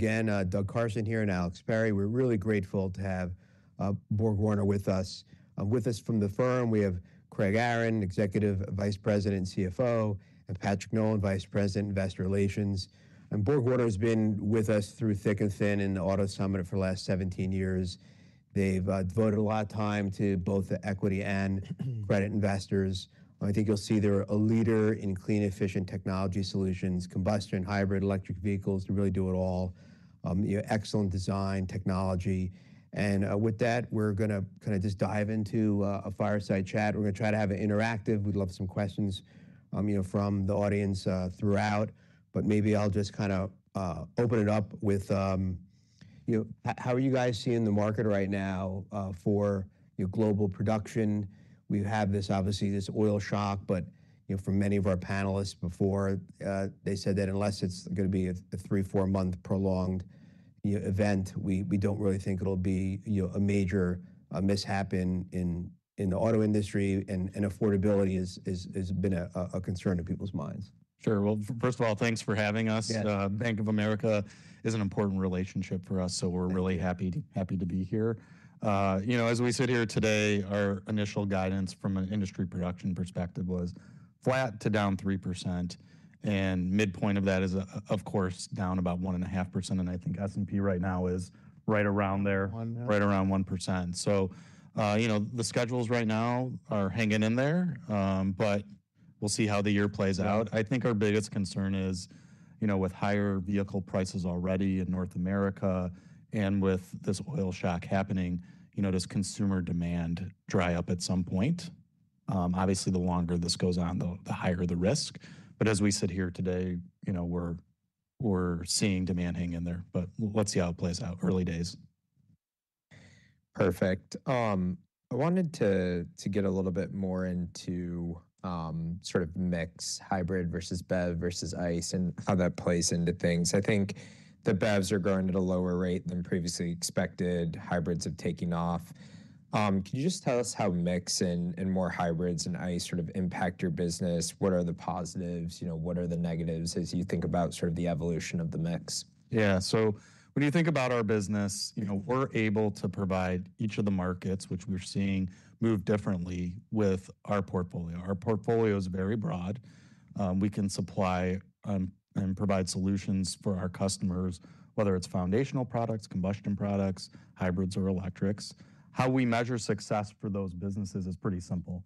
Again, Doug Carson here and Alex Perry. We're really grateful to have BorgWarner with us. With us from the firm, we have Craig Aaron, Executive Vice President and CFO, and Patrick Nolan, Vice President, Investor Relations. BorgWarner's been with us through thick and thin in the Auto Summit for the last 17 years. They've devoted a lot of time to both the equity and credit investors. I think you'll see they're a leader in clean, efficient technology solutions, combustion, hybrid, electric vehicles. They really do it all. Excellent design, technology. With that, we're gonna kind a just dive into a fireside chat. We're gonna try to have it interactive. We'd love some questions, you know, from the audience, throughout. Maybe I'll just kind of open it up with how are you guys seeing the market right now, for global production? We have this, obviously, this oil shock, but you know, for many of our panelists before, they said that unless it's gonna be a 3-4-month prolonged event, we don't really think it'll be you know, a major mishap in the auto industry and affordability has been a concern in people's minds. Sure. Well, first of all, thanks for having us. Bank of America is an important relationship for us, so we're really happy to be here. as we sit here today, our initial guidance from an industry production perspective was flat to down 3%, and midpoint of that is. Of course, down about 1.5%, and I think S&P right now is right around there. 1 now. Right around 1%. The schedules right now are hanging in there, but we'll see how the year plays out. I think our biggest concern is, with higher vehicle prices already in North America and with this oil shock happening, you know, does consumer demand dry up at some point? Obviously, the longer this goes on, the higher the risk. As we sit here today, you know, we're seeing demand hang in there. let's see how it plays out. Early days. Perfect. I wanted to get a little bit more into sort of mix hybrid versus BEV versus ICE and how that plays into things. I think the BEVs are growing at a lower rate than previously expected. Hybrids have taken off. Can you just tell us how mix, and more hybrids, and ICE sort of impact your business? What are the positives? What are the negatives as you think about sort of the evolution of the mix? When you think about our business, we're able to provide each of the markets, which we're seeing move differently with our portfolio. Our portfolio is very broad. We can supply and provide solutions for our customers, whether it's foundational products, combustion products, hybrids or electrics. How we measure success for those businesses is pretty simple.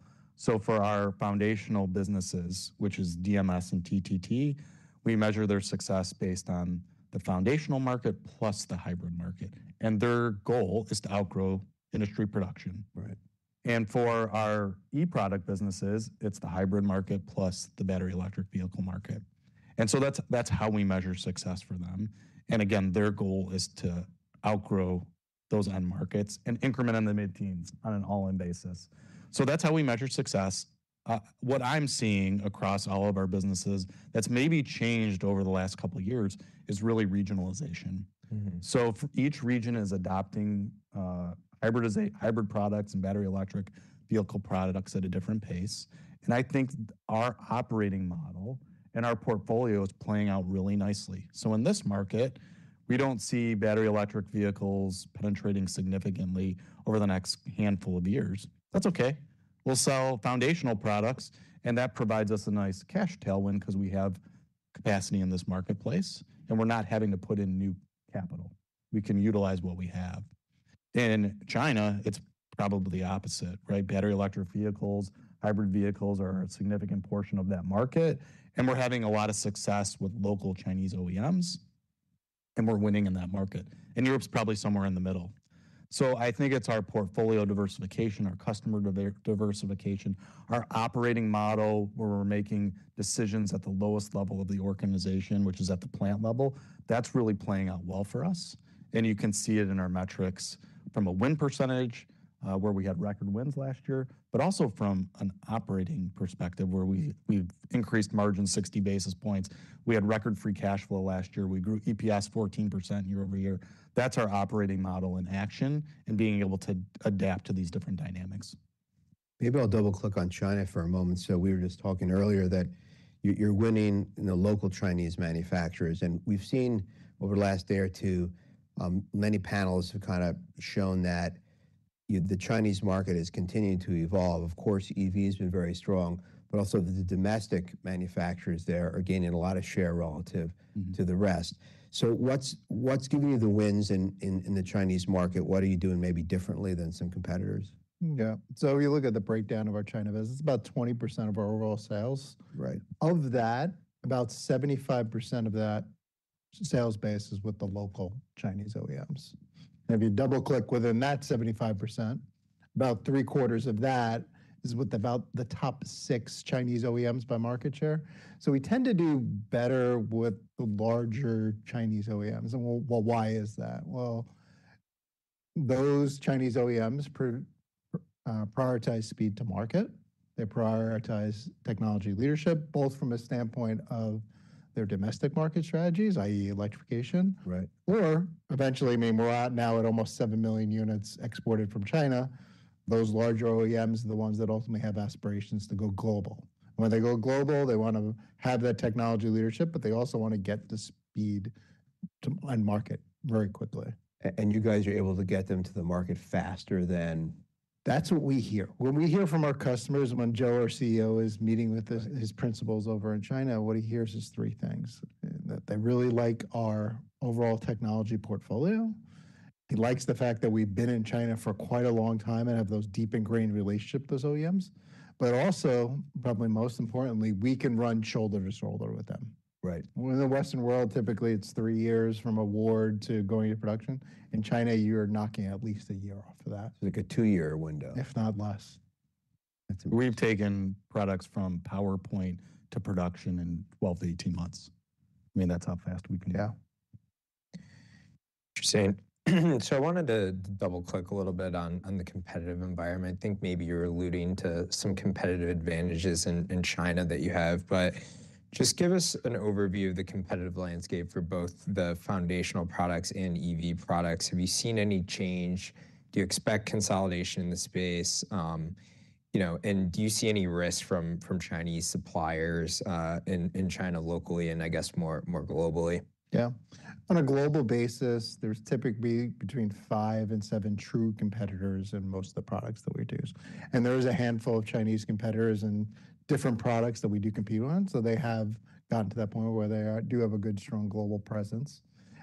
For our foundational businesses, which is DMS and TTT, we measure their success based on the foundational market plus the hybrid market. Their goal is to outgrow industry production. Right. For our e-product businesses, it's the hybrid market plus the battery electric vehicle market. That's how we measure success for them. Their goal is to outgrow those end markets and increment in the mid-teens on an all-in basis. That's how we measure success. What I'm seeing across all of our businesses that's maybe changed over the last couple years is really regionalization. Each region is adopting hybrid products and battery electric vehicle products at a different pace. I think our operating model and our portfolio is playing out really nicely. In this market, we don't see battery electric vehicles penetrating significantly over the next handful of years. That's okay. We'll sell foundational products, and that provides us a nice cash tailwind because we have capacity in this marketplace, and we're not having to put in new capital. We can utilize what we have. In China, it's probably the opposite, right? Battery electric vehicles, hybrid vehicles are a significant portion of that market, and we're having a lot of success with local Chinese OEMs, and we're winning in that market. Europe's probably somewhere in the middle. I think it's our portfolio diversification, our customer diversification, our operating model, where we're making decisions at the lowest level of the organization, which is at the plant level, that's really playing out well for us. You can see it in our metrics from a win percentage, where we had record wins last year, but also from an operating perspective, where we've increased margin 60 basis points. We had record free cash flow last year. We grew EPS 14% year-over-year. That's our operating model in action and being able to adapt to these different dynamics. Maybe I'll double-click on China for a moment. We were just talking earlier that you're winning in the local Chinese manufacturers, and we've seen over the last day or two, many panels who kind of shown that the Chinese market is continuing to evolve. Of course, EV has been very strong, but also the domestic manufacturers are gaining a lot of share relative to the rest. What's giving you the wins in the Chinese market? What are you doing maybe differently than some competitors? If you look at the breakdown of our China business, it's about 20% of our overall sales. Of that, about 75% of that sales base is with the local Chinese OEMs. If you double-click within that 75%, about three-quarters of that is with about the top 6 Chinese OEMs by market share. We tend to do better with the larger Chinese OEMs. Well, well why is that? Well, those Chinese OEMs prioritize speed to market. They prioritize technology leadership, both from a standpoint of their domestic market strategies, and electrification. Right. Eventually, I mean, we're now at almost 7 million units exported from China. Those larger OEMs are the ones that ultimately have aspirations to go global. When they go global, they wanna have that technology leadership, but they also wanna get the speed to end market very quickly. You guys are able to get them to the market faster than. That's what we hear. When we hear from our customers, when Joe, our CEO, is meeting with his principals over in China, what he hears is three things. They really like our overall technology portfolio. He likes the fact that we've been in China for quite a long time and have those deeply ingrained relationships with those OEMs. Probably most importantly, we can run shoulder to shoulder with them. Right. In the Western world, typically it's three years from award to going to production. In China, you're knocking at least a year off of that. Like a 2-year window. If not less. We've taken products from PowerPoint to production in 12-18 months. I mean, that's how fast we can go. Interesting. I wanted to double-click a little bit on the competitive environment. Think maybe you're alluding to some competitive advantages in China that you have. Just give us an overview of the competitive landscape for both the foundational products and EV products. Have you seen any change? Do you expect consolidation in the space? You know, do you see any risk from Chinese suppliers in China locally and I guess more globally? On a global basis, there's typically between 5 and 7 true competitors in most of the products that we do. There is a handful of Chinese competitors and different products that we do compete on, so they have gotten to that point where they do have a good, strong global presence.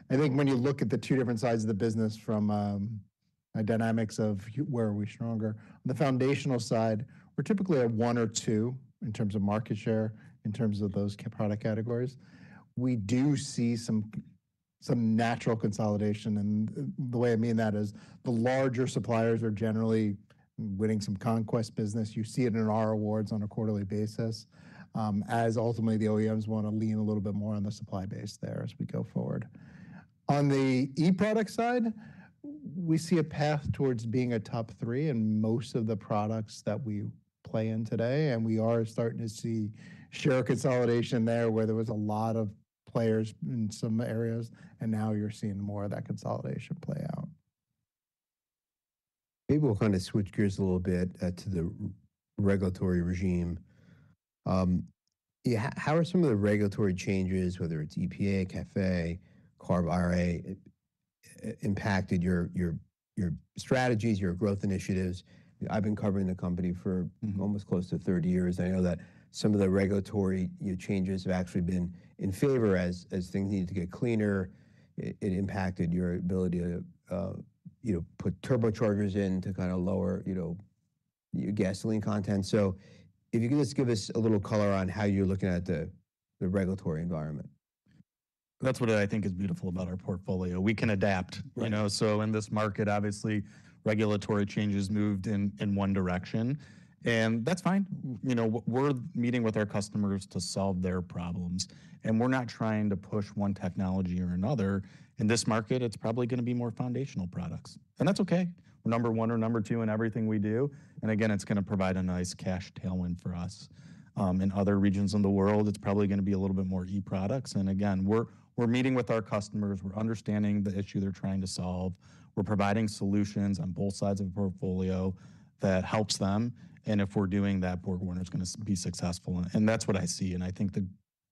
I think when you look at the two different sides of the business from a dynamics of where are we stronger, on the foundational side, we're typically at 1 or 2 in terms of market share, in terms of those product categories. We do see some natural consolidation, and the way I mean that is the larger suppliers are generally winning some conquest business. You see it in our awards on a quarterly basis, as ultimately the OEMs wanna lean a little bit more on the supply base there as we go forward. On the e-product side, we see a path towards being a top three in most of the products that we play in today, and we are starting to see share consolidation there, where there was a lot of players in some areas, and now you're seeing more of that consolidation play out. Maybe we'll kinda switch gears a little bit to the regulatory regime. Yeah, how are some of the regulatory changes, whether it's EPA, CAFE, CARB, IRA, impacted your strategies, your growth initiatives? I've been covering the company for- Mm-hmm Almost close to 30 years. I know that some of the regulatory, you know, changes have actually been in favor as things needed to get cleaner. It impacted your ability to, you know, put turbochargers in to kinda lower, you know, your gasoline content. If you could just give us a little color on how you're looking at the regulatory environment. That's what I think is beautiful about our portfolio. We can adapt. Right. In this market, obviously regulatory changes moved in one direction, and that's fine. We're meeting with our customers to solve their problems, and we're not trying to push one technology or another. In this market, it's probably gonna be more foundational products, and that's okay. We're number one or number two in everything we do, and again, it's gonna provide a nice cash tailwind for us. In other regions in the world, it's probably gonna be a little bit more e-products. We're meeting with our customers, we're understanding the issue they're trying to solve. We're providing solutions on both sides of the portfolio that helps them. If we're doing that, BorgWarner's gonna be successful. And that's what I see. I think the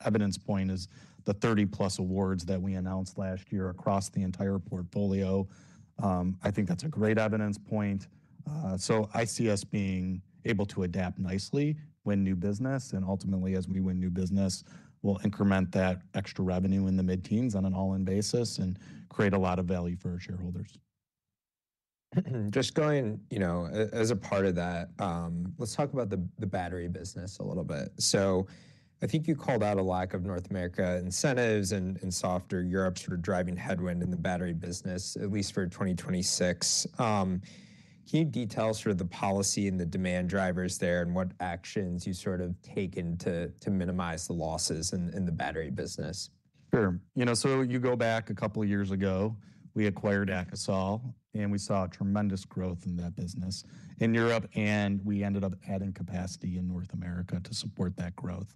evidence point is the 30+ awards that we announced last year across the entire portfolio. I think that's a great evidence point. I see us being able to adapt nicely, win new business, and ultimately, as we win new business, we'll increment that extra revenue in the mid-teens on an all-in basis and create a lot of value for our shareholders. Just going, as a part of that, let's talk about the battery business a little bit. I think you called out a lack of North America incentives and softer Europe sort of driving headwind in the battery business, at least for 2026. Can you detail sort of the policy and the demand drivers there and what actions you've sort of taken to minimize the losses in the battery business? Sure. You go back a couple years ago, we acquired AKASOL AG, and we saw tremendous growth in that business in Europe, and we ended up adding capacity in North America to support that growth.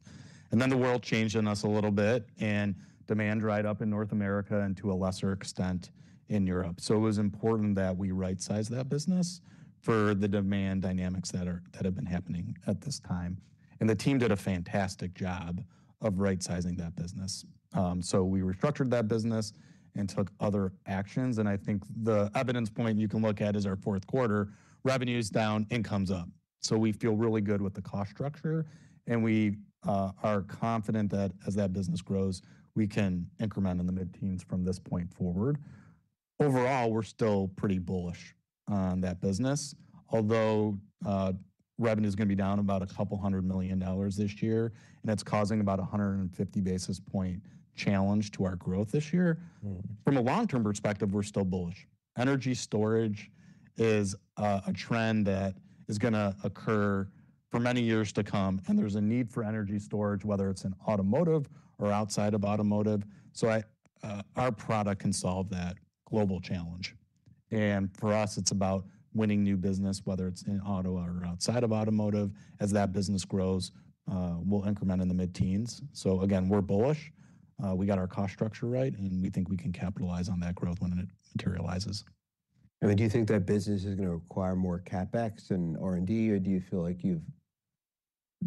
Then the world changed on us a little bit, and demand dried up in North America and to a lesser extent in Europe. It was important that we rightsize that business for the demand dynamics that have been happening at this time. The team did a fantastic job of rightsizing that business. We restructured that business and took other actions, and I think the evidence point you can look at is our fourth quarter. Revenue's down, income's up. We feel really good with the cost structure, and we are confident that as that business grows, we can increment in the mid-teens from this point forward. Overall, we're still pretty bullish on that business, although revenue's gonna be down about $200 million this year, and that's causing about 150 basis point challenge to our growth this year. Mm-hmm. From a long-term perspective, we're still bullish. Energy storage is a trend that is gonna occur for many years to come, and there's a need for energy storage, whether it's in automotive or outside of automotive. Our product can solve that global challenge. For us, it's about winning new business, whether it's in auto or outside of automotive. As that business grows, we'll increment in the mid-teens. Again, we're bullish. We got our cost structure right, and we think we can capitalize on that growth when it materializes. I mean, do you think that business is gonna require more CapEx and R&D, or do you feel like you've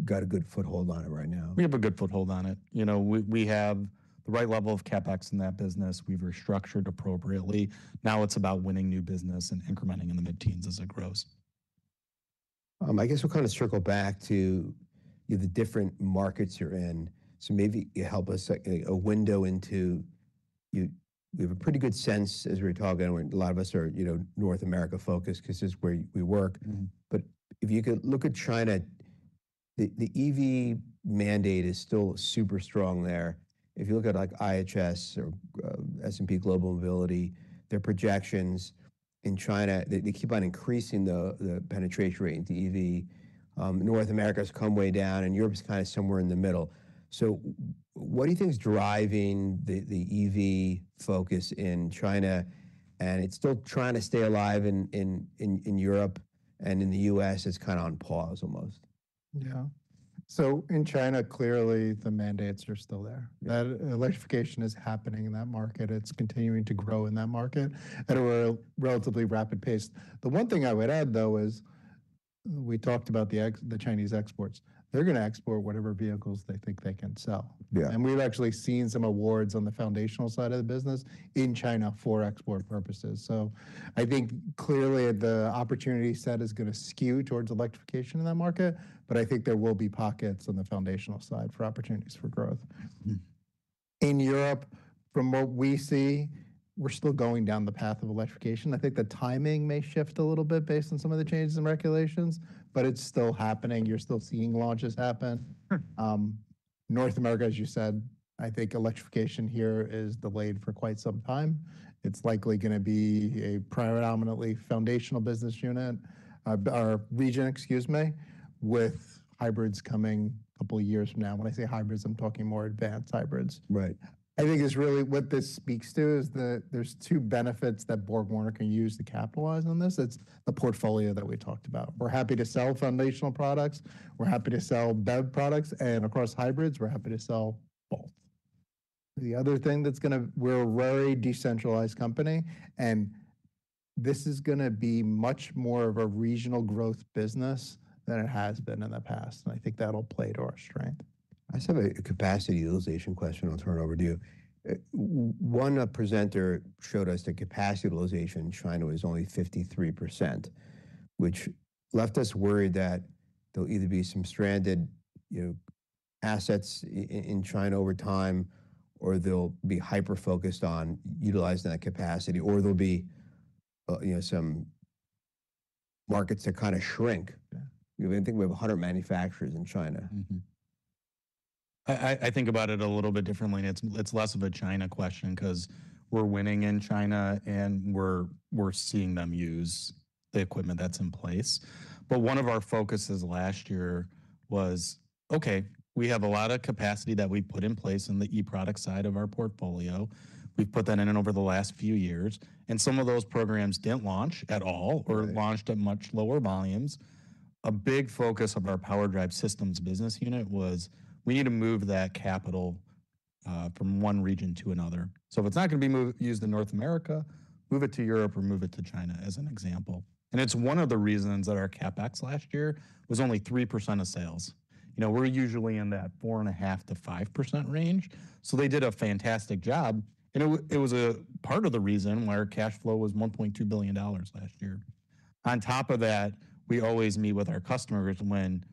got a good foothold on it right now? We have a good foothold on it. We have the right level of CapEx in that business. We've restructured appropriately. Now it's about winning new business and incrementing in the mid-teens as it grows. I guess we'll kind of circle back to the different markets you're in. Maybe you help us like a window into. We have a pretty good sense as we're talking, a lot of us are, you know, North America-focused 'cause it's where we work. If you could look at China, the EV mandate is still super strong there. If you look at like IHS or S&P Global Mobility, their projections in China, they keep on increasing the penetration rate into EV. North America has come way down and Europe is kind of somewhere in the middle. What do you think is driving the EV focus in China? It's still trying to stay alive in Europe and in the US, it's kind of on pause almost. In China, clearly the mandates are still there. That electrification is happening in that market. It's continuing to grow in that market at a relatively rapid pace. The one thing I would add, though, is we talked about the Chinese exports. They're gonna export whatever vehicles they think they can sell. We've actually seen some awards on the foundational side of the business in China for export purposes. I think clearly the opportunity set is gonna skew towards electrification in that market, but I think there will be pockets on the foundational side for opportunities for growth. In Europe, from what we see, we're still going down the path of electrification. I think the timing may shift a little bit based on some of the changes in regulations, but it's still happening. You're still seeing launches happen. North America, as you said, I think electrification here is delayed for quite some time. It's likely gonna be a predominantly foundational business unit, or region, excuse me, with hybrids coming a couple of years from now. When I say hybrids, I'm talking more advanced hybrids. Right. I think it's really what this speaks to is there's two benefits that BorgWarner can use to capitalize on this. It's the portfolio that we talked about. We're happy to sell foundational products, we're happy to sell BEV products, and of course, hybrids, we're happy to sell both. The other thing that's gonna. We're a very decentralized company, and this is gonna be much more of a regional growth business than it has been in the past, and I think that'll play to our strength. I just have a capacity utilization question I'll turn over to you. One presenter showed us the capacity utilization in China was only 53%, which left us worried that there'll either be some stranded, you know, assets in China over time, or they'll be hyper-focused on utilizing that capacity, or there'll be, you know, some markets that kind of shrink. We think we have 100 manufacturers in China. I think about it a little bit differently, and it's less of a China question 'cause we're winning in China and we're seeing them use the equipment that's in place. One of our focuses last year was, okay, we have a lot of capacity that we put in place in the e-product side of our portfolio. We've put that in over the last few years, and some of those programs didn't launch at all. Right or launched at much lower volumes. A big focus of our PowerDrive Systems business unit was we need to move that capital from one region to another. If it's not gonna be used in North America, move it to Europe or move it to China, as an example. It's one of the reasons that our CapEx last year was only 3% of sales. We're usually in that 4.5%-5% range. They did a fantastic job. It was a part of the reason why our cash flow was $1.2 billion last year. On top of that, we always meet with our customers when,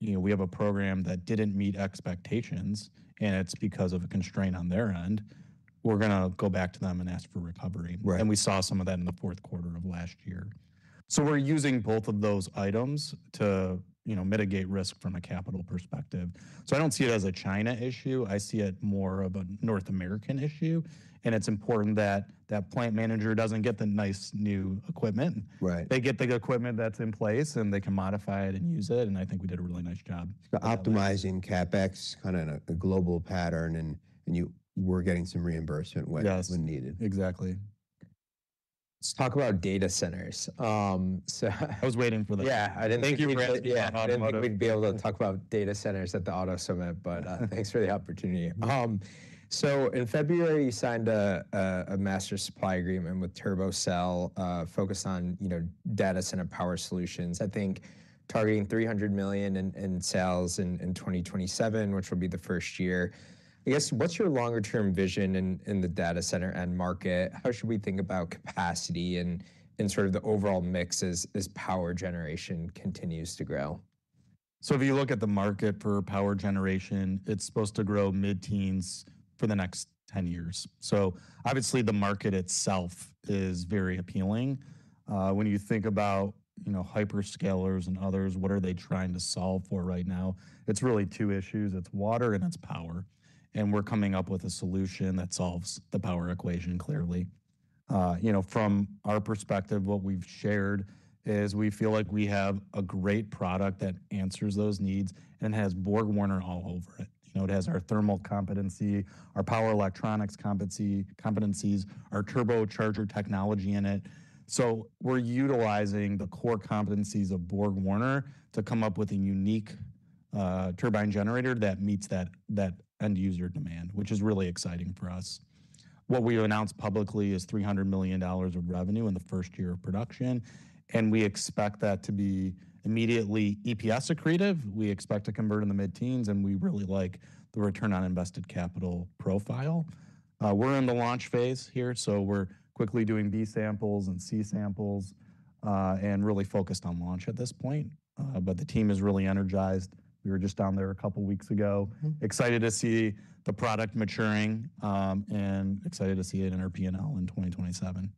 we have a program that didn't meet expectations, and it's because of a constraint on their end. We're gonna go back to them and ask for recovery. Right. We saw some of that in the Q4 of last year. We're using both of those items to, you know, mitigate risk from a capital perspective. I don't see it as a China issue. I see it more of a North American issue, and it's important that that plant manager doesn't get the nice new equipment. Right. They get the equipment that's in place, and they can modify it and use it, and I think we did a really nice job. Optimizing CapEx kind of in a global pattern and you were getting some reimbursement. Yes when needed. Exactly. Let's talk about data centers. I was waiting for this. Yeah. I didn't think. Thank you, Brad, for the auto note. Yeah, I didn't think we'd be able to talk about data centers at the auto summit, but thanks for the opportunity. In February, you signed a master supply agreement with TurboCell, focused on, you know, data center power solutions. I think targeting $300 million in sales in 2027, which will be the first year. I guess, what's your longer term vision in the data center end market? How should we think about capacity and sort of the overall mix as power generation continues to grow? If you look at the market for power generation, it's supposed to grow mid-teens% for the next 10 years. Obviously, the market itself is very appealing. When you think about, you know, hyperscalers and others, what are they trying to solve for right now? It's really two issues, it's water and it's power, and we're coming up with a solution that solves the power equation, clearly. You know, from our perspective, what we've shared is we feel like we have a great product that answers those needs and has BorgWarner all over it. You know, it has our thermal competency, our power electronics competencies, our turbocharger technology in it. We're utilizing the core competencies of BorgWarner to come up with a unique Turbine generator that meets that end user demand, which is really exciting for us. What we announced publicly is $300 million of revenue in the first year of production, and we expect that to be immediately EPS accretive. We expect to convert in the mid-teens, and we really like the return on invested capital profile. We're in the launch phase here, so we're quickly doing B samples and C samples, and really focused on launch at this point. But the team is really energized. We were just down there a couple weeks ago. Mm-hmm. Excited to see the product maturing, and excited to see it in our P&L in 2027.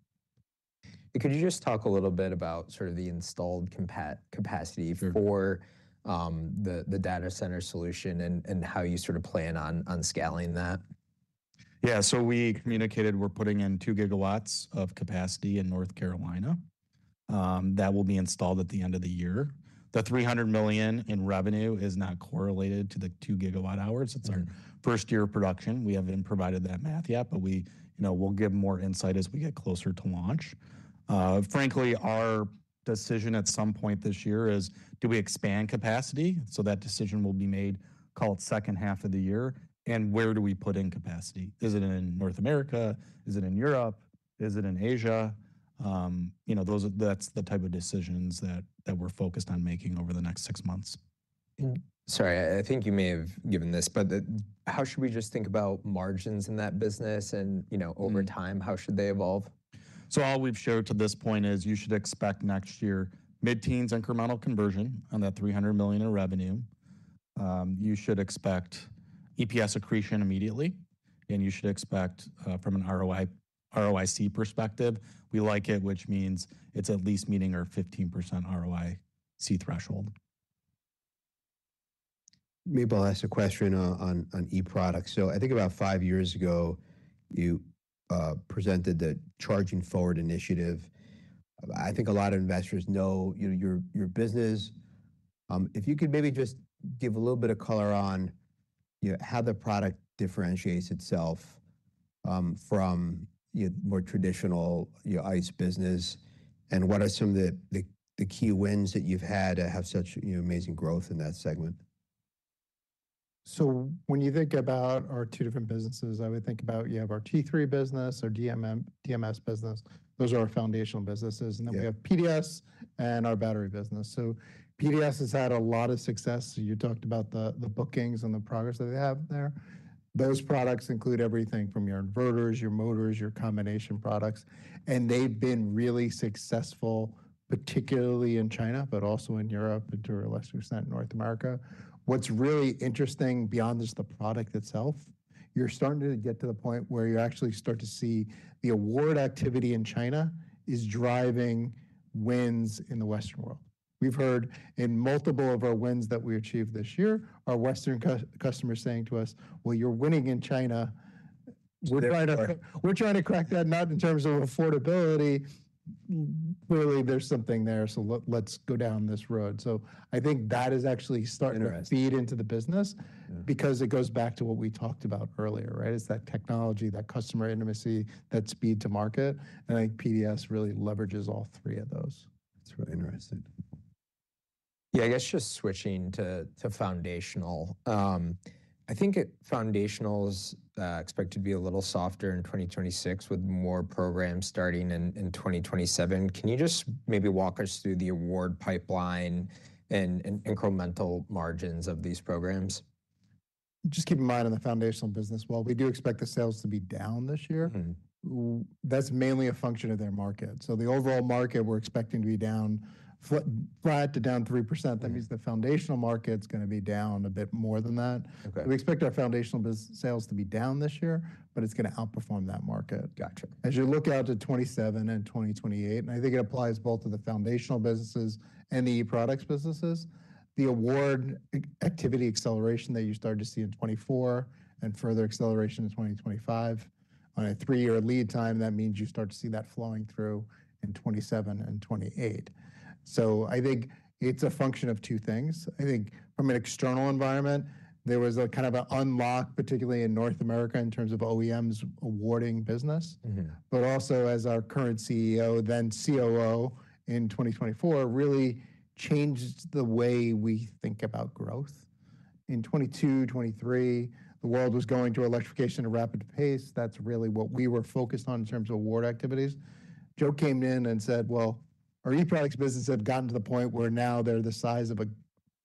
Could you just talk a little bit about sort of the installed capacity? Sure. for the data center solution and how you sort of plan on scaling that? Yeah. We communicated we're putting in 2 gigawatts of capacity in North Carolina, that will be installed at the end of the year. The $300 million in revenue is not correlated to the 2 gigawatt hours. It's our first year of production. We haven't provided that math yet, but we, you know, we'll give more insight as we get closer to launch. Frankly, our decision at some point this year is, do we expand capacity? That decision will be made, call it second half of the year. Where do we put in capacity? Is it in North America? Is it in Europe? Is it in Asia? Those are. That's the type of decisions that we're focused on making over the next six months. Sorry, I think you may have given this, but how should we just think about margins in that business and over time, how should they evolve? All we've shown to this point is you should expect next year mid-teens% incremental conversion on that $300 million in revenue. You should expect EPS accretion immediately, and you should expect from an ROI-ROIC perspective, we like it, which means it's at least meeting our 15% ROIC threshold. Maybe I'll ask a question on e-products. I think about 5 years ago, you presented the Charging Forward initiative. I think a lot of investors know, your business. If you could maybe just give a little bit of color on, how the product differentiates itself from your more traditional, your ICE business, and what are some of the key wins that you've had to have such, you know, amazing growth in that segment? When you think about our two different businesses, I would think about you have our T3 business, our DMS business. Those are our foundational businesses. We have PDS and our battery business. PDS has had a lot of success. You talked about the bookings and the progress that they have there. Those products include everything from your inverters, your motors, your combination products, and they've been really successful, particularly in China, but also in Europe and to a lesser extent, North America. What's really interesting beyond just the product itself, you're starting to get to the point where you actually start to see the award activity in China is driving wins in the Western world. We've heard in multiple of our wins that we achieved this year, our Western customer saying to us, "Well, you're winning in China. We're trying to crack that nut in terms of affordability. Clearly there's something there, so let's go down this road." I think that is actually starting. Interesting to feed into the business. because it goes back to what we talked about earlier, right? It's that technology, that customer intimacy, that speed to market. I think PDS really leverages all three of those. That's really interesting. I guess just switching to fundamentals. I think fundamentals expect to be a little softer in 2026 with more programs starting in 2027. Can you just maybe walk us through the award pipeline and incremental margins of these programs? Just keep in mind on the foundational business, while we do expect the sales to be down this year. That's mainly a function of their market. The overall market, we're expecting to be flat to down 3%. That means the foundational market's gonna be down a bit more than that. Okay. We expect our foundational business sales to be down this year, but it's gonna outperform that market. Gotcha. As you look out to 2027 and 2028, and I think it applies both to the foundational businesses and the e-products businesses, the award activity acceleration that you start to see in 2024 and further acceleration in 2025 on a three-year lead time, that means you start to see that flowing through in 2027 and 2028. I think it's a function of two things. I think from an external environment, there was a kind of an unlock, particularly in North America, in terms of OEMs awarding business. Also as our current CEO, then COO in 2024, really changed the way we think about growth. In 2022, 2023, the world was going through electrification at a rapid pace. That's really what we were focused on in terms of award activities. Joe came in and said, "Well, our e-products business had gotten to the point where now they're the size of a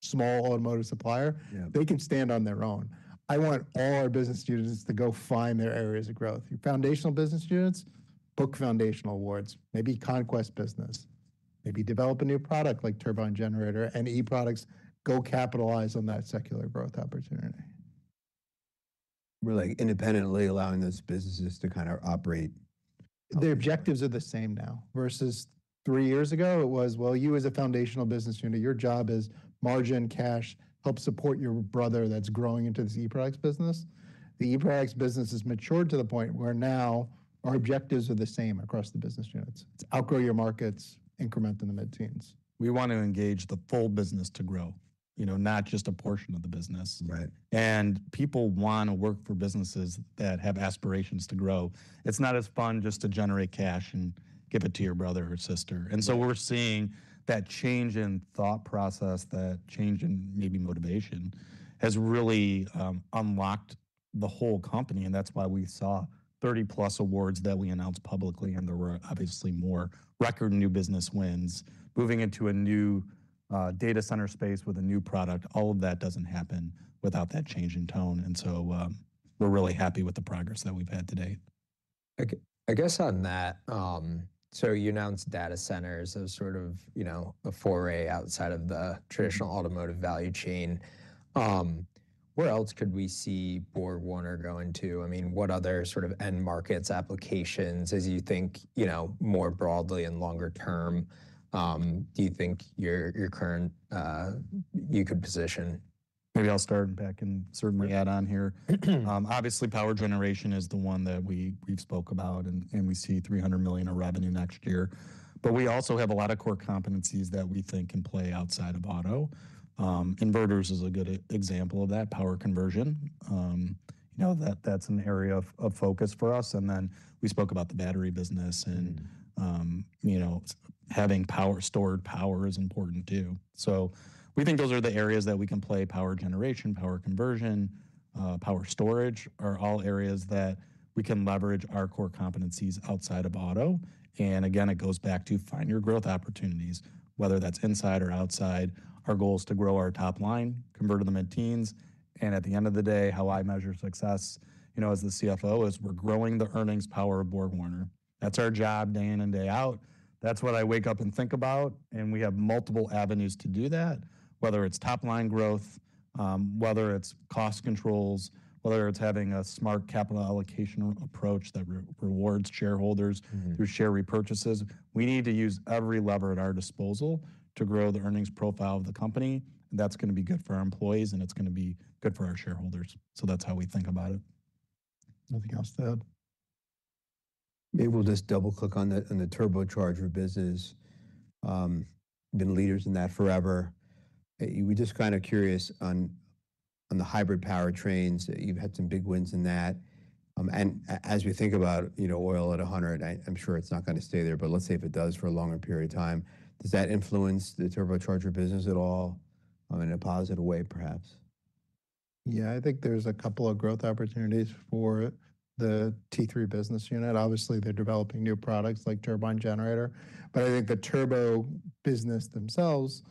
small automotive supplier. They can stand on their own. I want all our business units to go find their areas of growth. You foundational business units, book foundational awards, maybe conquest business, maybe develop a new product like turbine generator and e-products. Go capitalize on that secular growth opportunity. Really independently allowing those businesses to kind of operate. The objectives are the same now versus 3 years ago it was, well, you as a foundational business unit, your job is margin, cash, help support your brother that's growing into this e-products business. The e-products business has matured to the point where now our objectives are the same across the business units. It's outgrow your markets, increment in the mid-teens%. We want to engage the full business to grow, you know, not just a portion of the business. Right. People wanna work for businesses that have aspirations to grow. It's not as fun just to generate cash and give it to your brother or sister. We're seeing that change in thought process, that change in maybe motivation, has really unlocked. The whole company, and that's why we saw 30+ awards that we announced publicly, and there were obviously more record new business wins. Moving into a new, data center space with a new product, all of that doesn't happen without that change in tone. We're really happy with the progress that we've had to date. I guess on that, you announced data centers as sort of, a foray outside of the traditional automotive value chain. Where else could we see BorgWarner going to? I mean, what other sort of end markets, applications, as you think, more broadly and longer term, do you think your current you could position? Maybe I'll start, and Beck can certainly add on here. Obviously, power generation is the one that we've spoke about and we see $300 million of revenue next year. We also have a lot of core competencies that we think can play outside of auto. Inverters is a good example of that, power conversion. That's an area of focus for us. Then we spoke about the battery business, and having stored power is important too. We think those are the areas that we can play, power generation, power conversion, power storage are all areas that we can leverage our core competencies outside of auto. Again, it goes back to find your growth opportunities, whether that's inside or outside. Our goal is to grow our top line, convert to the mid-teens, and at the end of the day, how I measure success, you know, as the CFO is we're growing the earnings power of BorgWarner. That's our job day in and day out. That's what I wake up and think about, and we have multiple avenues to do that, whether it's top-line growth, whether it's cost controls, whether it's having a smart capital allocation approach that rewards shareholders through share repurchases. We need to use every lever at our disposal to grow the earnings profile of the company, and that's gonna be good for our employees, and it's gonna be good for our shareholders. That's how we think about it. Nothing else to add? Maybe we'll just double-click on the turbocharger business. Been leaders in that forever. We're just kind of curious on the hybrid powertrains. You've had some big wins in that. As we think about, oil at 100, I'm sure it's not gonna stay there, but let's say if it does for a longer period of time, does that influence the turbocharger business at all, in a positive way, perhaps? I think there's a couple of growth opportunities for the T3 business unit. Obviously, they're developing new products like turbine generator. I think the turbo business themselves,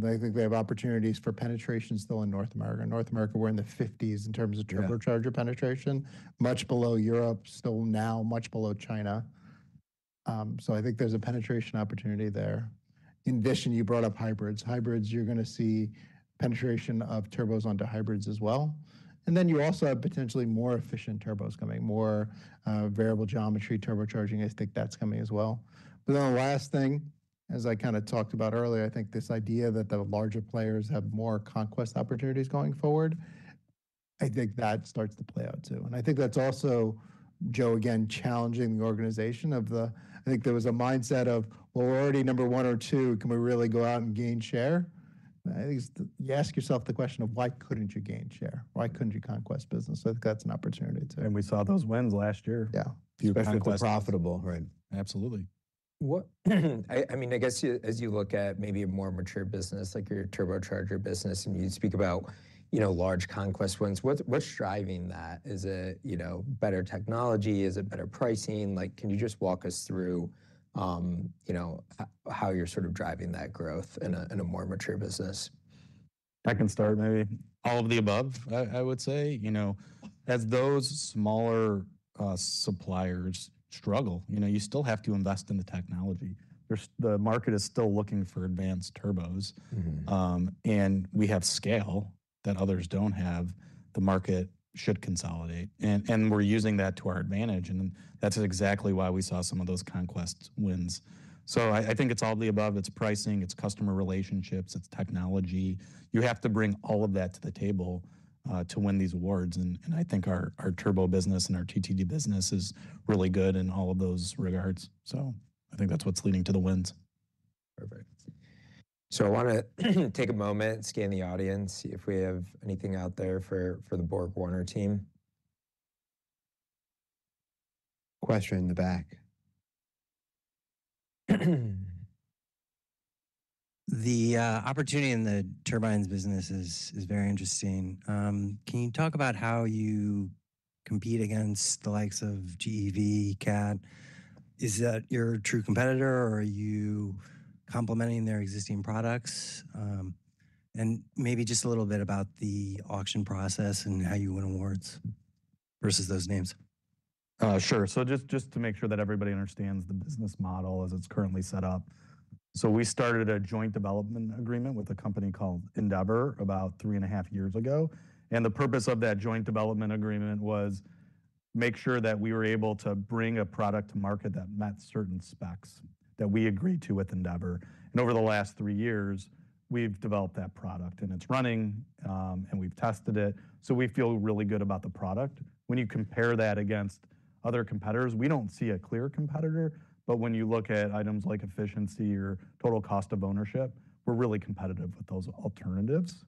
they think they have opportunities for penetration still in North America. North America, we're in the 50s% in terms of turbocharger penetration. Much below Europe, still now much below China. I think there's a penetration opportunity there. In addition, you brought up hybrids. Hybrids, you're gonna see penetration of turbos onto hybrids as well. You also have potentially more efficient turbos coming, more, variable geometry turbocharging. I think that's coming as well. The last thing, as I kind you couldn'ta talked about earlier, I think this idea that the larger players have more conquest opportunities going forward, I think that starts to play out too. I think that's also Joe, again, challenging the organization. I think there was a mindset of, "Well, we're already number one or two. Can we really go out and gain share?" You ask yourself the question of why couldn't you gain share. Why couldn't you conquer business? I think that's an opportunity too. We saw those wins last year. A few conquests. Especially if they're profitable. Absolutely. I mean, I guess you as you look at maybe a more mature business like your turbocharger business, and you speak about, you know, large conquest wins, what's driving that? Is it, you know, better technology? Is it better pricing? Like, can you just walk us through, you know, how you're sort of driving that growth in a more mature business? I can start, maybe. All of the above, I would say. As those smaller suppliers struggle, you still have to invest in the technology. There's. The market is still looking for advanced turbos. We have scale that others don't have. The market should consolidate, and we're using that to our advantage, and that's exactly why we saw some of those conquest wins. I think it's all of the above. It's pricing, it's customer relationships, it's technology. You have to bring all of that to the table to win these awards. I think our turbo business and our T&T business is really good in all of those regards. I think that's what's leading to the wins. Perfect. I wanna take a moment, scan the audience, see if we have anything out there for the BorgWarner team. Question in the back. The opportunity in the turbines business is very interesting. Can you talk about how you compete against the likes of GEV, Cat? Is that your true competitor, or are you complementing their existing products? Maybe just a little bit about the auction process and how you win awards versus those names. Sure. Just to make sure that everybody understands the business model as it's currently set up. We started a joint development agreement with a company called Endeavour about three and a half years ago, and the purpose of that joint development agreement was make sure that we were able to bring a product to market that met certain specs that we agreed to with Endeavour. Over the last three years, we've developed that product, and it's running, and we've tested it. We feel really good about the product. When you compare that against other competitors, we don't see a clear competitor, but when you look at items like efficiency or total cost of ownership, we're really competitive with those alternatives.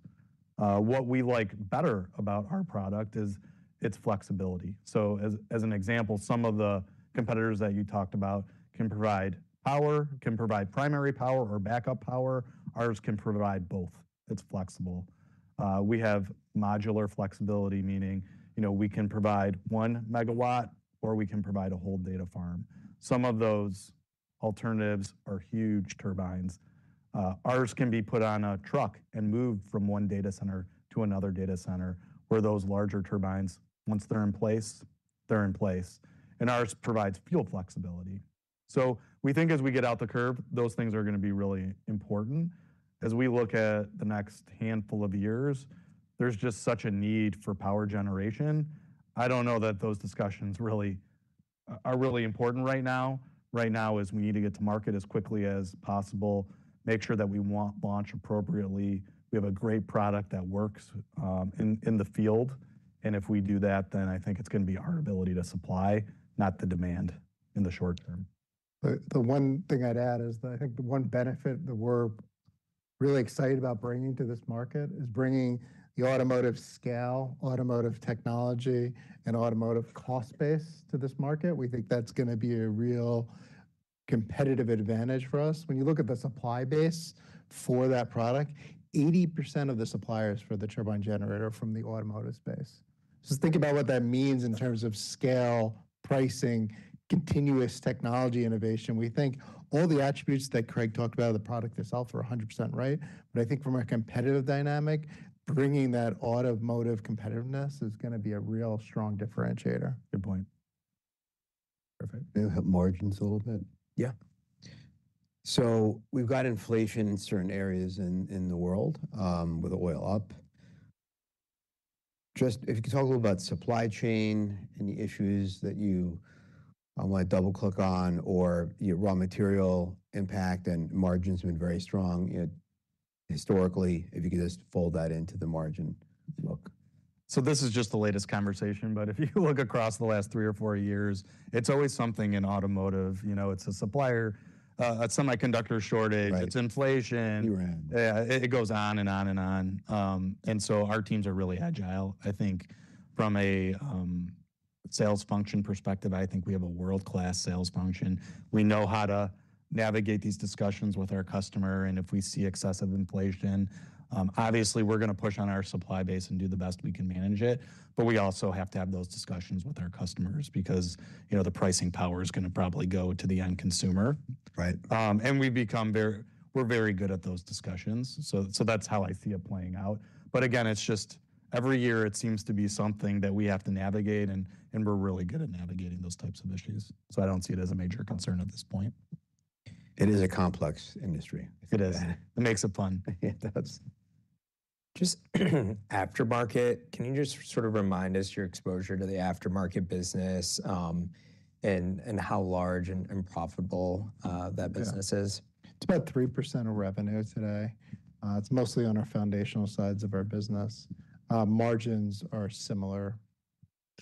What we like better about our product is its flexibility. As an example, some of the competitors that you talked about can provide power, can provide primary power or backup power. Ours can provide both. It's flexible. We have modular flexibility, meaning, you know, we can provide 1 megawatt or we can provide a whole data farm. Some of those alternatives are huge turbines. Ours can be put on a truck and moved from one data center to another data center, where those larger turbines, once they're in place, they're in place. Ours provides fuel flexibility. We think as we get out the curve, those things are gonna be really important. As we look at the next handful of years, there's just such a need for power generation. I don't know that those discussions really are really important right now. Right now is we need to get to market as quickly as possible, make sure that we launch appropriately. We have a great product that works in the field, and if we do that, then I think it's gonna be our ability to supply, not the demand in the short term. The one thing I'd add is that I think the one benefit that we're really excited about bringing to this market is bringing the automotive scale, automotive technology, and automotive cost base to this market. We think that's gonna be a real competitive advantage for us. When you look at the supply base for that product, 80% of the suppliers for the turbine generator are from the automotive space. Just think about what that means in terms of scale, pricing, continuous technology innovation. We think all the attributes that Craig talked about, the product itself are 100% right. I think from a competitive dynamic, bringing that automotive competitiveness is gonna be a real strong differentiator. Good point. Perfect. It'll help margins a little bit. We've got inflation in certain areas in the world, with oil up. Just if you could talk a little about supply chain, any issues that you might double-click on or your raw material impact and margin's been very strong, you know, historically, if you could just fold that into the margin look. This is just the latest conversation, but if you look across the last three or four years, it's always something in automotive. It's a supplier, a semiconductor shortage. It's inflation. Iran. It goes on and on and on. Our teams are really agile. I think from a sales function perspective, I think we have a world-class sales function. We know how to navigate these discussions with our customer, and if we see excessive inflation, obviously we're gonna push on our supply base and do the best we can manage it. We also have to have those discussions with our customers because, the pricing power is gonna probably go to the end consumer. Right. We're very good at those discussions, so that's how I see it playing out. Again, it's just every year it seems to be something that we have to navigate and we're really good at navigating those types of issues. I don't see it as a major concern at this point. It is a complex industry. It is. It makes it fun. It does. Just aftermarket. Can you just remind us your exposure to the aftermarket business, and how large and profitable that business is? It's about 3% of revenue today. It's mostly on our foundational sides of our business. Margins are similar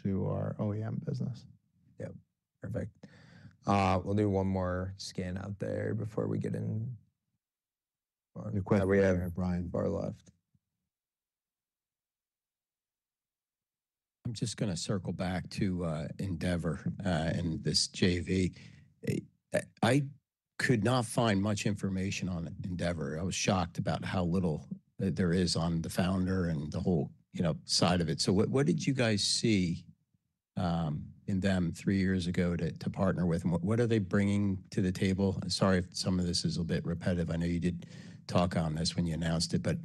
to our OEM business. Yep. Perfect. We'll do one more scan out there before we get in. Quick, we have Brian Moynihan. I'm just gonna circle back to Endeavour and this JV. I could not find much information on Endeavour. I was shocked about how little there is on the founder and the whole, you know, side of it. So what did you guys see in them three years ago to partner with? And what are they bringing to the table? Sorry if some of this is a bit repetitive. I know you did talk on this when you announced it, but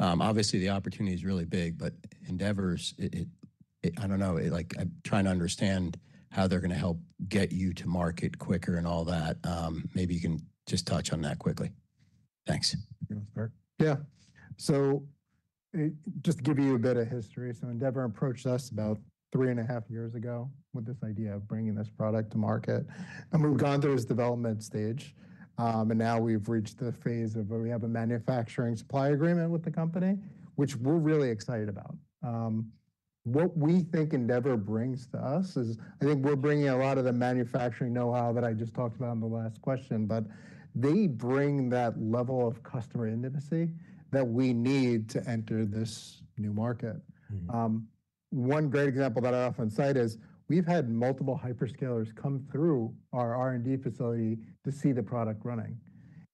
obviously the opportunity is really big, but Endeavour's it. I don't know. Like, I'm trying to understand how they're gonna help get you to market quicker and all that. Maybe you can just touch on that quickly. Thanks. You wanna start? Just to give you a bit of history. Endeavour approached us about three and a half years ago with this idea of bringing this product to market. We've gone through this development stage, and now we've reached the phase of where we have a manufacturing supply agreement with the company, which we're really excited about. What we think Endeavour brings to us is I think we're bringing a lot of the manufacturing know-how that I just talked about in the last question, but they bring that level of customer intimacy that we need to enter this new market. One great example that I often cite is we've had multiple hyperscalers come through our R&D facility to see the product running.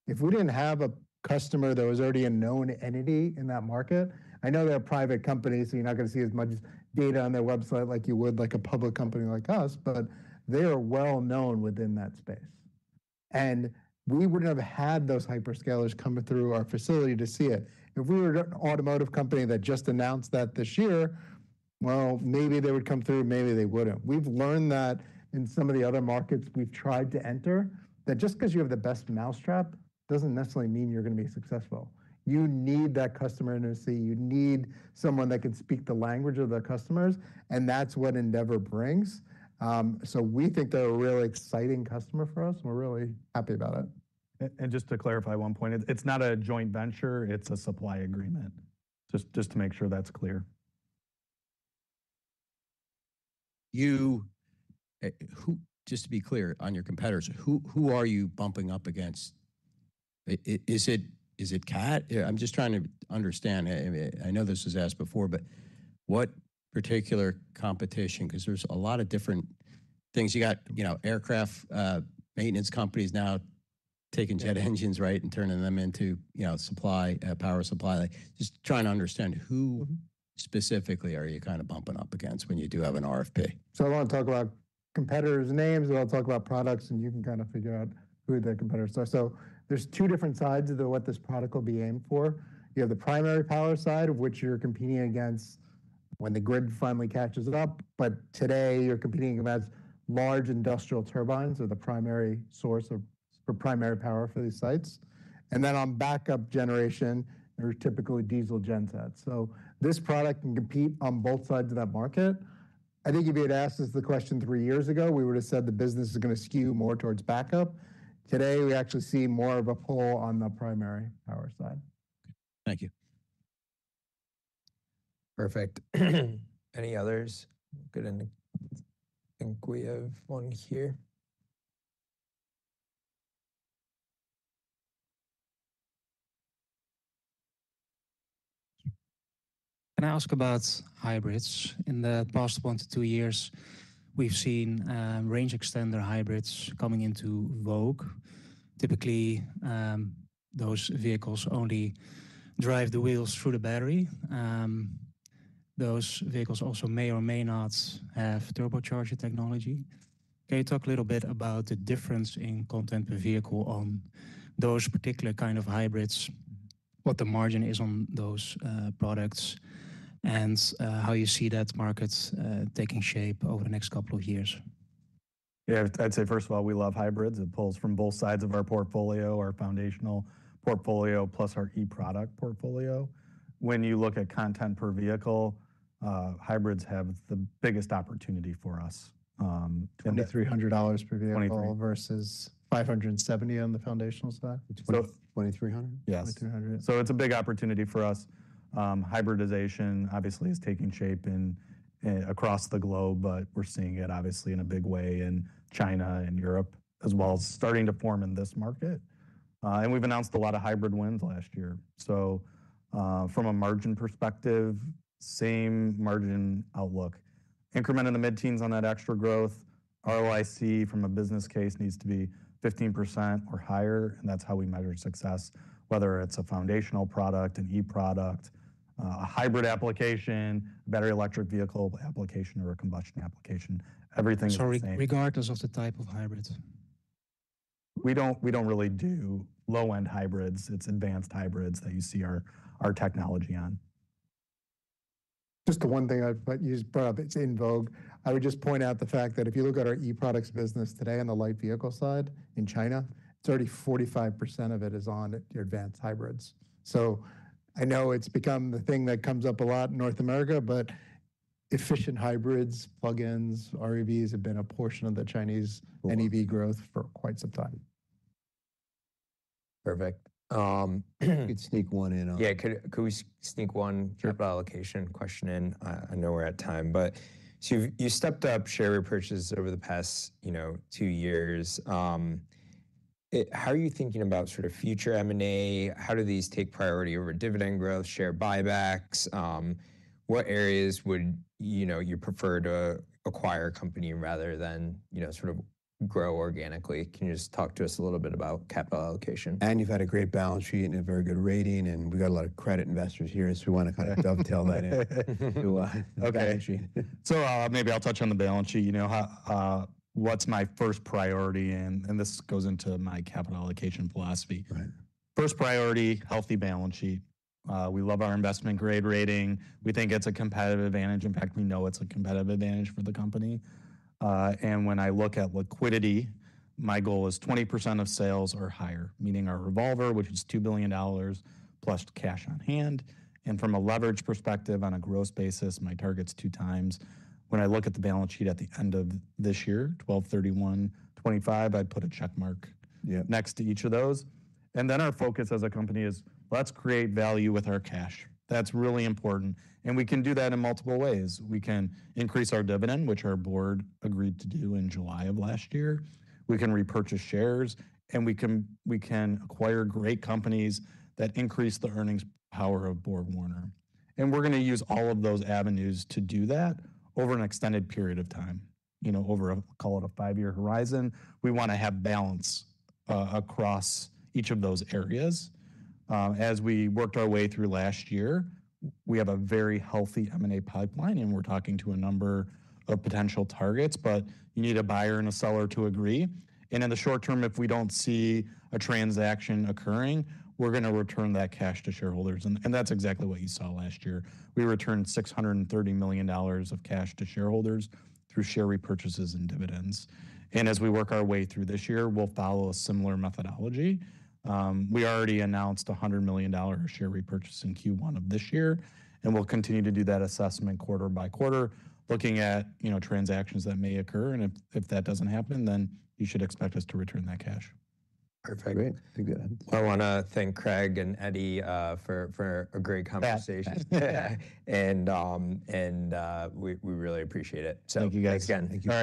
If we didn't have a customer that was already a known entity in that market, I know they're a private company, so you're not gonna see as much data on their website like you would like a public company like us, but they are well known within that space. We wouldn't have had those hyperscalers coming through our facility to see it. If we were an automotive company that just announced that this year, well, maybe they would come through, maybe they wouldn't. We've learned that in some of the other markets we've tried to enter, that just 'cause you have the best mousetrap doesn't necessarily mean you're gonna be successful. You need that customer intimacy. You need someone that can speak the language of their customers, and that's what Endeavour brings. We think they're a really exciting customer for us, and we're really happy about it. Just to clarify one point. It's not a joint venture, it's a supply agreement. Just to make sure that's clear. Just to be clear on your competitors, who are you bumping up against? Is it Caterpillar? I'm just trying to understand. I know this was asked before, but what particular competition? 'Cause there's a lot of different things. You got, you know, aircraft maintenance companies now. Taking jet engines, right, and turning them into, you know, supply, power supply. Like just trying to understand who specifically are you kind of bumping up against when you do have an RFP? I don't wanna talk about competitors' names or talk about products, and you can kinda figure out who the competitors are. There's two different sides of what this product will be aimed for. You have the primary power side, of which you're competing against when the grid finally catches it up. But today you're competing against large industrial turbines are the primary source of, for primary power for these sites. And then on backup generation, they're typically diesel gensets. This product can compete on both sides of that market. I think if you had asked us the question three years ago, we would've said the business is gonna skew more towards backup. Today, we actually see more of a pull on the primary power side. Thank you. Perfect. Any others? Go ahead, and I think we have one here. Can I ask about hybrids? In the past 1-2 years, we've seen range extender hybrids coming into vogue. Typically, those vehicles only drive the wheels through the battery. Those vehicles also may or may not have turbocharger technology. Can you talk a little bit about the difference in content per vehicle on those particular kind of hybrids, what the margin is on those products, and how you see that market taking shape over the next couple of years? Yeah. I'd say, first of all, we love hybrids. It pulls from both sides of our portfolio, our foundational portfolio, plus our e-product portfolio. When you look at content per vehicle, hybrids have the biggest opportunity for us. $2,300 per vehicle. Twenty-three versus 570 on the foundational side. 2,300? Yes. 2,300. It's a big opportunity for us. Hybridization obviously is taking shape across the globe, but we're seeing it obviously in a big way in China and Europe as well as starting to form in this market. We've announced a lot of hybrid wins last year. From a margin perspective, same margin outlook. Increment in the mid-teens on that extra growth. ROIC from a business case needs to be 15% or higher, and that's how we measure success, whether it's a foundational product, an e product, a hybrid application, battery electric vehicle application, or a combustion application. Everything is the same. Sorry, regardless of the type of hybrids? We don't really do low-end hybrids. It's advanced hybrids that you see our technology on. Just the one thing I'd point out to you is, Bob, it's in vogue. I would just point out the fact that if you look at our e-products business today on the light vehicle side in China, 30%-45% of it is on your advanced hybrids. I know it's become the thing that comes up a lot in North America, but efficient hybrids, plug-ins, REEVs have been a portion of the Chinese NEV growth for quite some time. Perfect. You could sneak one in on- Yeah. Could we sneak one capital allocation question in? I know we're at time. You stepped up share repurchases over the past, you know, two years. How are you thinking about sort of future M&A? How do these take priority over dividend growth, share buybacks? What areas would, you know, you prefer to acquire a company rather than, you know, sort of grow organically? Can you just talk to us a little bit about capital allocation? You've had a great balance sheet and a very good rating, and we've got a lot of credit investors here, so we wanna kinda dovetail that in to our- Okay balance sheet. maybe I'll touch on the balance sheet. You know, what's my first priority and this goes into my capital allocation philosophy. Right. First priority, healthy balance sheet. We love our investment grade rating. We think it's a competitive advantage. In fact, we know it's a competitive advantage for the company. When I look at liquidity, my goal is 20% of sales or higher, meaning our revolver, which is $2 billion plus cash on hand. From a leverage perspective on a gross basis, my target's 2x. When I look at the balance sheet at the end of this year, 12/31/2025, I'd put a check mark. Yeah Next to each of those. Our focus as a company is let's create value with our cash. That's really important, and we can do that in multiple ways. We can increase our dividend, which our board agreed to do in July of last year. We can repurchase shares, and we can acquire great companies that increase the earnings power of BorgWarner. We're gonna use all of those avenues to do that over an extended period of time, call it a five-year horizon. We wanna have balance across each of those areas. As we worked our way through last year, we have a very healthy M&A pipeline, and we're talking to a number of potential targets. You need a buyer and a seller to agree. In the short term, if we don't see a transaction occurring, we're gonna return that cash to shareholders. That's exactly what you saw last year. We returned $630 million of cash to shareholders through share repurchases and dividends. As we work our way through this year, we'll follow a similar methodology. We already announced a $100 million share repurchase in Q1 of this year, and we'll continue to do that assessment quarter by quarter, looking at, you know, transactions that may occur, and if that doesn't happen, then you should expect us to return that cash. Perfect. Great. A good end. I wanna thank Craig and Eddie for a great conversation. Fast. We really appreciate it. Thank you guys. again. Thank you.